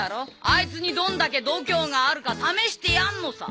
アイツにどんだけ度胸があるか試してやんのさ！